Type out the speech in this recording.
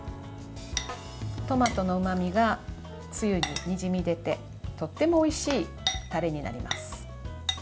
トマトのうまみがつゆににじみ出てとてもおいしいタレになります。